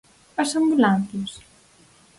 ¿As ambulancias?